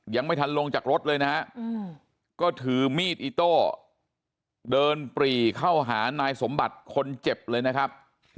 ยังไม่ทันลงจากรถเลยนะฮะก็ถือมีดอิโต้เดินปรีเข้าหานายสมบัติคนเจ็บเลยนะครับ